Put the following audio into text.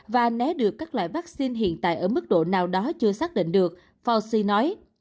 và né được các loại vaccine hiện tại ở mức độ nào đó chưa xác định được forci nói